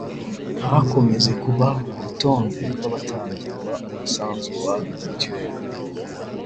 ntakomeze kuba ku rutonde rw’abatangirwa umusanzu wa mituweli”